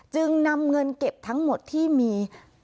จึงนำเงินเก็บทั้งหมดที่มี